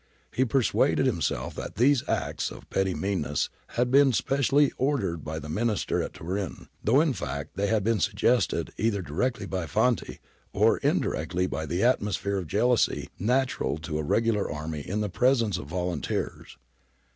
He persuaded him self that these acts of petty meanness had been specially ordered by the Minister at Turin, though in fact they had been suggested either directly by Fanti or indirectly by the atmosphere of jealousy natural to a regular army in the presence of volunteers.